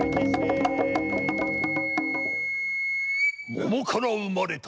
桃から生まれた。